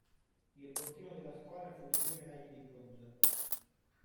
Il bottino della squadra fu di due medaglie di bronzo.